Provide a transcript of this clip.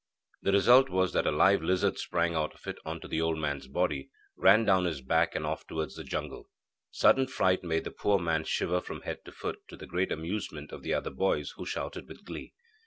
The result was that a live lizard sprang out of it on to the old man's body, ran down his back and off towards the jungle. Sudden fright made the poor man shiver from head to foot, to the great amusement of the other boys, who shouted with glee.